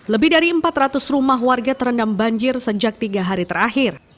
lebih dari empat ratus rumah warga terendam banjir sejak tiga hari terakhir